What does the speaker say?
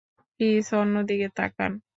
Please অন্যদিকে তাকান।